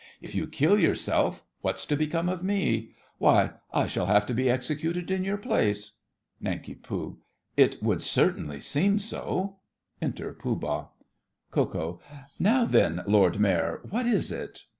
If you kill yourself, what's to become of me? Why, I shall have to be executed in your place! NANK. It would certainly seem so! Enter Pooh Bah. KO. Now then, Lord Mayor, what is it?